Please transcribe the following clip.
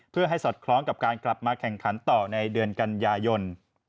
เพื่อให้สอดคล้องกับการกลับมาแข่งขันต่อในเดือนกันยายน